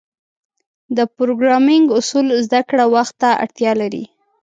د پروګرامینګ اصول زدهکړه وخت ته اړتیا لري.